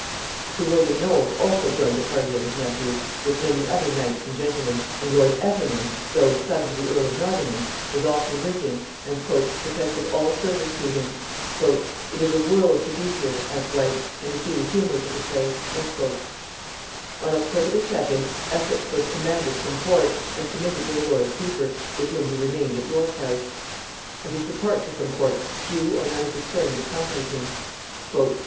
Sir William Knolles also joined the party of his nephew, with many other knights and gentlemen, and lord Effingham, though son to the earl of Nottingham, was often with him, and "protested all service" to him. "It is a world to be here," adds Whyte, "and see the humors of the place." On October the second, Essex was "commanded from court," and committed to the lord keeper, with whom he remained at York house. At his departure from court few or none of his friends accompanied him. [Note 133: Rowland Whyte in Sidney Papers.